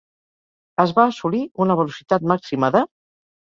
Es va assolir una velocitat màxima de.